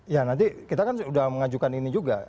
ya nanti kita kan sudah mengajukan ini juga